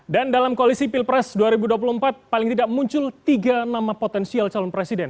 dan dalam koalisi pilpres dua ribu dua puluh empat paling tidak muncul tiga nama potensial calon presiden